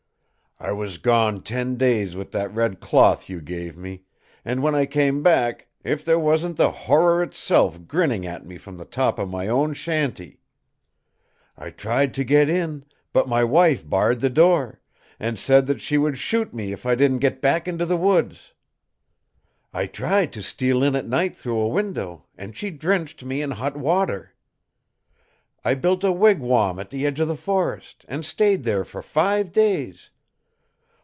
"I was gone ten days with that red cloth you gave me; and when I came back, if there wasn't the horror itself grinning at me from the top of my own shanty! I tried to get in, but my wife barred the door, and said that she would shoot me if I didn't get back into the woods. I tried to steal in at night through a window, and she drenched me in hot water. I built a wigwam at the edge of the forest, and stayed there for five days.